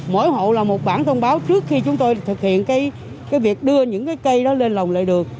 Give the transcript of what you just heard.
mỗi hộ là một bản thông báo trước khi chúng tôi thực hiện cái việc đưa những cây đó lên lòng lệ đường